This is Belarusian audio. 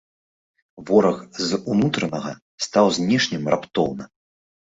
Вораг з унутранага стаў знешнім раптоўна.